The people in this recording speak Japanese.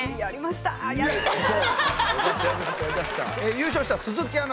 優勝した鈴木アナ